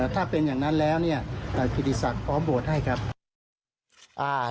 ถ้าเป็นอย่างนั้นแล้วคิตติศักดิ์พอบทให้ครับ